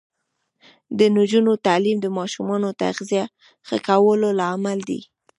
د نجونو تعلیم د ماشومانو تغذیه ښه کولو لامل دی.